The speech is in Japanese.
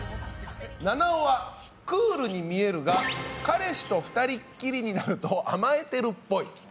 菜々緒はクールに見えるが彼氏と２人っきりになると甘えてるっぽい。